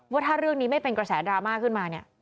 ว่าถ้าเรื่องนี้ไม่เป็นกระแสดราม่าขึ้นมาเนี่ย